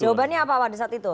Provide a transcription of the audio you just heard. jawabannya apa pak di saat itu